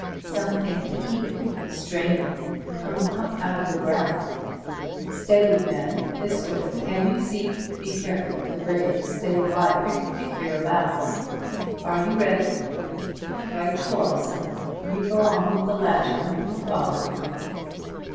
Something heaving, straining, coming up out of the ground. "Steady, men. This way. Can you see? Be careful of the graves—they lie pretty thick hereabouts. Are you ready?" "Right you are, sir. You go on with the lantern. We can follow you."